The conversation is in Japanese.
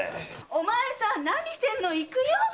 お前さん何してんの行くよ！